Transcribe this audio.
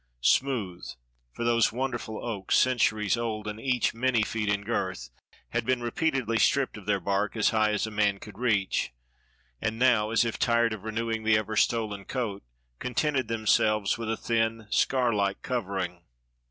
Smooth, for those wonderful oaks, centuries old, and each many feet in girth, had been repeatedly stripped of their bark as high as a man could reach; and now, as if tired of renewing the ever stolen coat, contented themselves with a thin, scarlike covering.